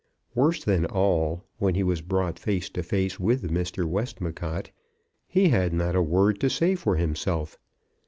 Worse than all, when he was brought face to face with Mr. Westmacott he had not a word to say for himself!